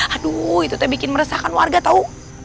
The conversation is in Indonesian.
aduh itu bikin meresahkan warga tau